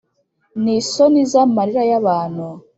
ni isoni z’amarira ya bantu